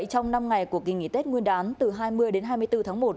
trong năm ngày của kỳ nghỉ tết nguyên đán từ hai mươi đến hai mươi bốn tháng một